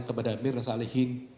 kepada wayamirna salihin